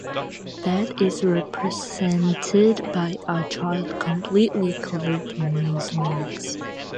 Death is represented by a child completely covered in maize leaves.